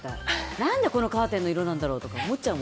何でこのカーテンの色なんだろうとか思っちゃう。